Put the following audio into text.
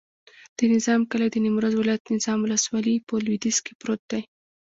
د نظام کلی د نیمروز ولایت، نظام ولسوالي په لویدیځ کې پروت دی.